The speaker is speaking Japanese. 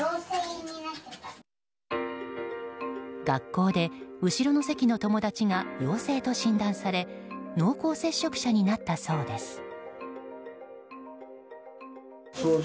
学校で後ろの席の友達が陽性と診断され濃厚接触者になったそうです。